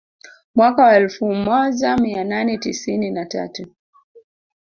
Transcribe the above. Mwaka wa elfu moja mia nane tisini na tatu